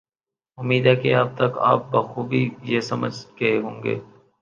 امید ہے کہ اب تک آپ بخوبی یہ سمجھ گئے ہوں گے